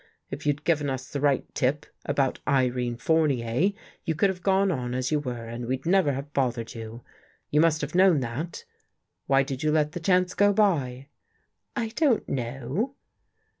If you'd given us the right tip about Irene Fournier, you could have gone on as you were and we'd never have bothered you. You must have known that. Why did you let the chance go by? "" I don't know."